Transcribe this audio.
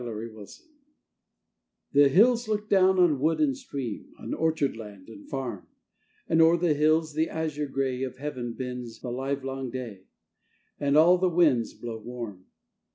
A ROSE O' THE HILLS The hills look down on wood and stream On orchard land and farm; And o'er the hills the azure gray Of heaven bends the livelong day, And all the winds blow warm.